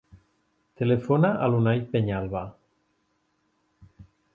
Telefona a l'Unai Peñalba.